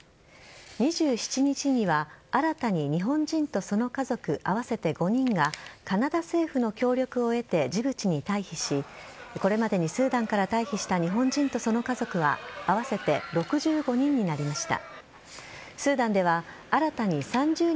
２７日には、新たに日本人とその家族合わせて５人がカナダ政府の協力を得てジブチに退避しこれまでにスーダンから退避した日本人とその家族は合わせて６５人になりました。